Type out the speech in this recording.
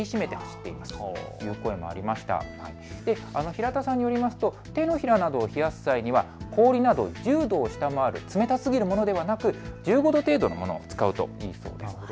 平田さんによりますと手のひらなどを冷やす際には氷など１０度を下回る冷たすぎるものではなく１５度程度のものを使うとよいそうです。